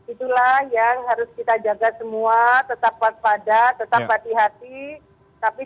itulah yang harus kita jaga semua tetap waspada tetap hati hati